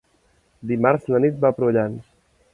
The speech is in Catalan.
Dimarts na Nit va a Prullans.